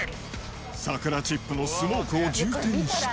桜チップのスモークを充填して。